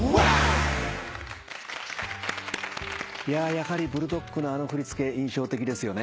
やはり『ブルドッグ』のあの振り付け印象的ですよね。